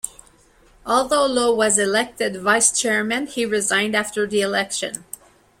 Although Lau was elected vice-chairman, he resigned after the election.